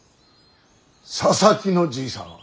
佐々木のじいさんは。